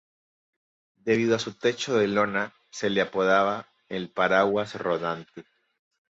Debido a su techo de lona, se le apodaba "el paraguas rodante".